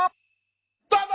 どうぞ！